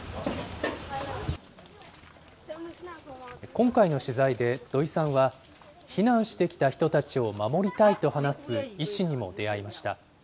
今回の取材で土井さんは、避難してきた人たちを守りたいと話す医師にも出会いました。